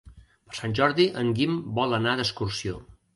Per Sant Jordi en Guim vol anar d'excursió.